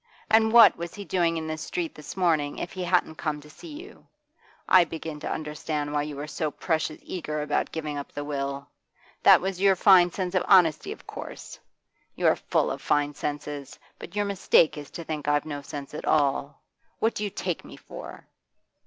And what was he doing in this street this morning if he hadn't come to see you? I begin to understand why you were so precious eager about giving up the will. That was your fine sense of honesty, of course! You are full of fine senses, but your mistake is to think I've no sense at all. What do you take me for?